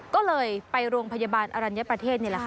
ก็เลยไปโรงพยาบาลอรัญญประเทศนี่แหละค่ะ